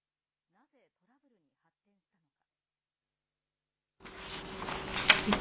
なぜトラブルに発展したのか。